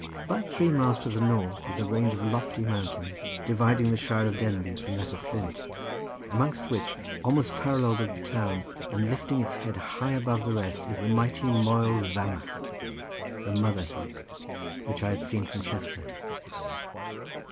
About three miles to the north is a range of lofty mountains, dividing the shire of Denbigh from that of Flint, amongst which, almost parallel with the town, and lifting its head high above the rest, is the mighty Moel Vamagh, the mother heap, which I had seen from Chester.